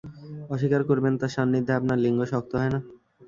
অস্বীকার করবেন, তার সান্নিধ্যে আপনার লিঙ্গ শক্ত হয় না?